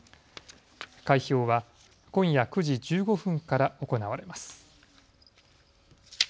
開票は今夜９時１５分から行われます。